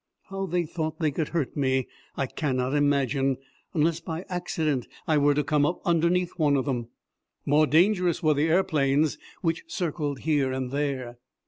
How they thought they could hurt me I cannot imagine, unless by accident I were to come up underneath one of them. More dangerous were the aeroplanes which circled here and there.